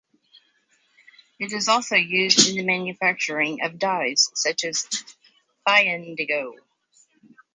It is also used in the manufacturing of dyes such as thioindigo.